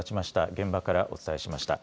現場からお伝えしました。